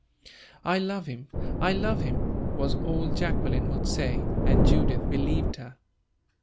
"I love him! I love him!" was all Jacqueline would say, and Judith believed her.